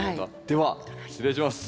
では失礼します。